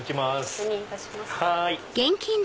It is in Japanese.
確認いたします。